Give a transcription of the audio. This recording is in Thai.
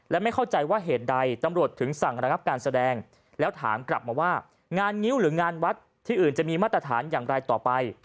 และไม่เข้าใจว่าเหตุใดตำรวจถึงสั่งระงับการแสดงแล้วถามกลับมาว่างานงิ้วหรืองานวัดที่อื่นจะมีมาตรฐานอย่างไรต่อไป